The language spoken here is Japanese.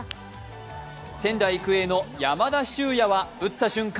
仙台育英の山田脩也は打った瞬間